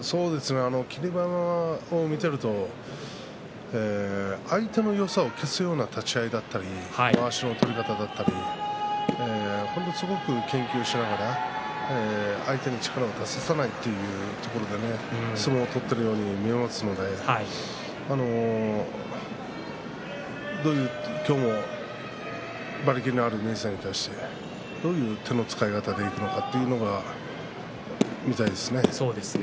霧馬山を見ていると相手のよさを消すような立ち合いだったりまわしの取り方だったり本当にすごく研究しながら相手に力を出させない相撲を取っているように見えますので今日も馬力のある明生に対してどういう手の使い方でいくのかというのは見たいですね。